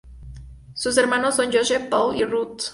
Sus hermanos son Joseph, Paul y Ruth.